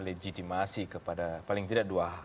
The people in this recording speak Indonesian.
legitimasi kepada paling tidak dua